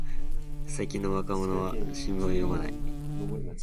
最近の若者は新聞を読まない